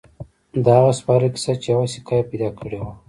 د هغه سپاره کیسه چې یوه سکه يې پیدا کړې وه.